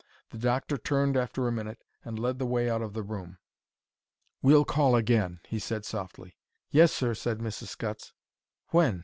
The doctor turned after a minute and led the way out of the room. "We'll call again," he said, softly. "Yes, sir," said Mrs. Scutts. "When?"